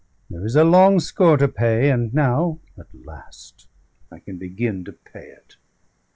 There is a long score to pay, and now at last I can begin to pay it."